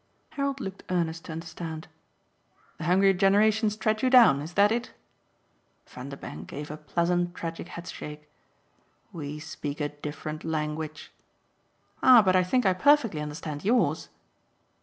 Harold looked earnest to understand. "The hungry generations tread you down is that it?" Vanderbank gave a pleasant tragic headshake. "We speak a different language." "Ah but I think I perfectly understand yours!"